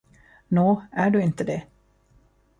Nå, är du inte det?